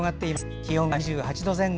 気温は２８度前後。